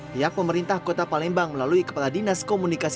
pihak pemerintah kota palembang melalui kepala dinas komunikasi